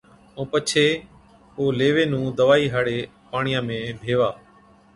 ائُون پڇي اوهچ ليوي نُون دَوائِي هاڙي پاڻِيان ۾ ڀيوا